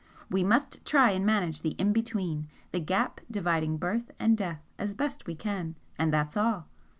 We must try and manage the 'In Between,' the gap dividing birth and death, as best we can, and that's all.